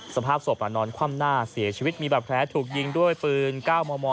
สภาพศพนอนคว่ำหน้าเสียชีวิตมีบาดแผลถูกยิงด้วยปืน๙มม